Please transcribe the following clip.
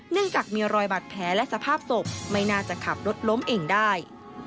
เนื่องจากมีรอยบัตรแพ้และสภาพศพไม่น่าจะขับรถล้มเองได้